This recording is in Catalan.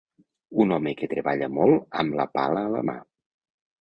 Un home que treballa molt amb la pala a la mà.